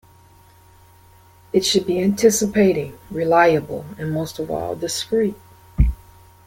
It should be anticipating, reliable and most of all discreet.